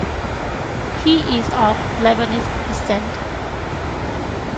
He is of Lebanese descent.